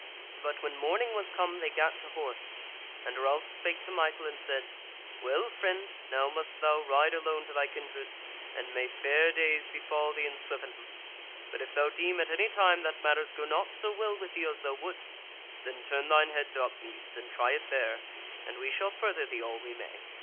But when morning was come they gat to horse, and Ralph spake to Michael and said: "Well, friend, now must thou ride alone to thy kindred, and may fair days befall thee in Swevenham. But if thou deem at any time that matters go not so well with thee as thou wouldst, then turn thine head to Upmeads, and try it there, and we shall further thee all we may."